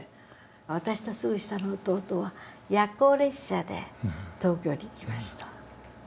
私とすぐ下の弟は夜行列車で東京に行きました。